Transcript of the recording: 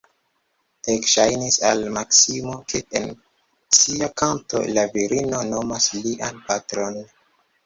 Ekŝajnis al Maksimo, ke en sia kanto la virino nomas lian patron.